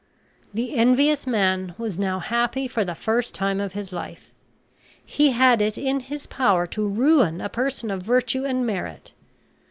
The envious man was now happy for the first time of his life. He had it in his power to ruin a person of virtue and merit.